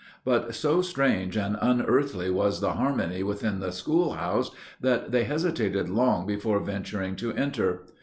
But so strange and unearthly was the harmony within the schoolhouse, that they hesitated long before venturing to enter.